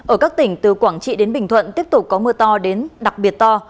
ở các tỉnh từ quảng trị đến bình thuận tiếp tục có mưa to đến đặc biệt to